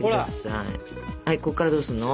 はいこっからどうすんの？